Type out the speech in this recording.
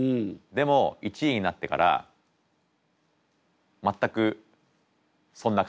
でも１位になってから全くそんな感情じゃなかったかな。